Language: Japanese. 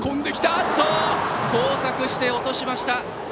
おっと交錯して落としました。